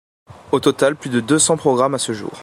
Au total plus de deux cent programmes à ce jour.